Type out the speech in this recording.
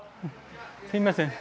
すみません